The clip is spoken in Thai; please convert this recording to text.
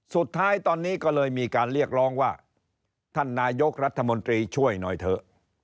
สุดท้ายตอนนี้ก็เลยมีการเรียกร้องว่าท่านนายกรัฐมนตรีช่วยหน่อยเถอะ